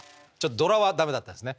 ドラはダメだったんですね。